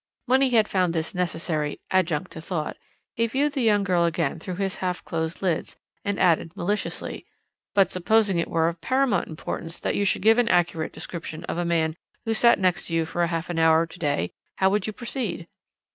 When he had found this necessary "adjunct to thought," he viewed the young girl again through his half closed lids, and added maliciously: "But supposing it were of paramount importance that you should give an accurate description of a man who sat next to you for half an hour to day, how would you proceed?"